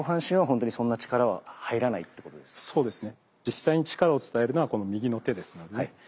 実際に力を伝えるのはこの右の手ですのでね。